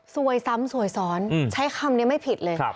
สวยซ้ำซวยซ้อนใช้คำนี้ไม่ผิดเลย